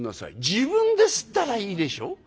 「自分ですったらいいでしょ？」。